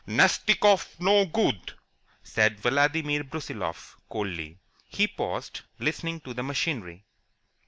"Nastikoff no good," said Vladimir Brusiloff, coldly. He paused, listening to the machinery.